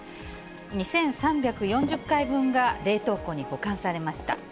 ２３４０回分が冷凍庫に保管されました。